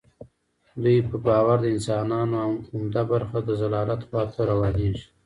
دوی په باور د انسانانو عمده برخه د ضلالت خوا ته روانیږي.